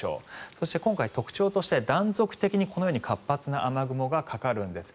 そして、今回特徴として断続的にこのように活発な雨雲がかかるんです。